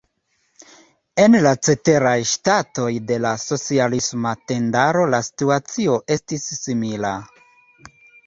En la ceteraj ŝtatoj de la socialisma tendaro la situacio estis simila.